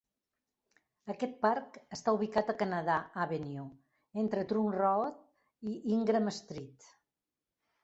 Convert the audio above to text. Aquest parc està ubicat a Canada Avenue, entre Trunk Road i Ingram Street.